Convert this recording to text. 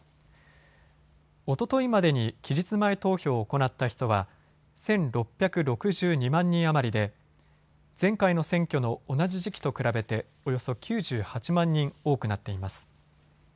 おとといまでに期日前投票を行った人は１６６２万人余りで前回の選挙の同じ時期と比べておよそ９８万人多くなっています。